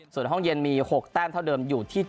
ส่วนห้องเย็นมี๖แต้มเท่าเดิมอยู่ที่๗